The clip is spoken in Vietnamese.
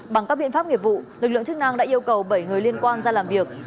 bằng các biện pháp nghiệp vụ lực lượng chức năng đã yêu cầu bảy người liên quan ra làm việc